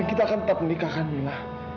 dan kita akan tetap melikahkan mila